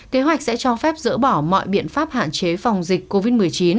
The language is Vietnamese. kế hoạch sẽ cho phép dỡ bỏ mọi biện pháp hạn chế phòng dịch covid một mươi chín